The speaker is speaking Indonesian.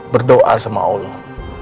berdoa sama allah